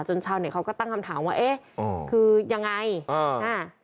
ชาวเน็ตเขาก็ตั้งคำถามว่าเอ๊ะคือยังไงอ่าอ่า